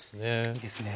いいですね。